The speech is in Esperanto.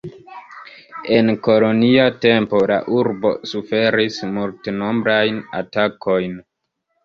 En kolonia tempo la urbo suferis multnombrajn atakojn.